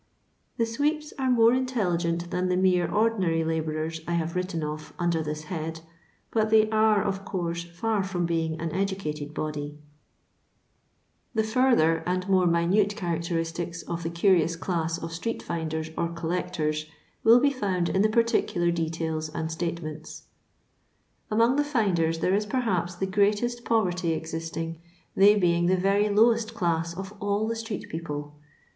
The sweeps are more intelligent than the mere ordinary labourers I have written of under this head, but they are, of course, ist from being an educated body. 1* LONDON LABOUR AND TUB LONDON POOR. The fadier and more minnte cbaracteriitici of the cnrioni claM of itreet finden or colleeton will be fbttnd in the particular detaili and statements. Among the finders there is perhaps the greatest poTerty existing, they being the Tery lowest class of idl the street people.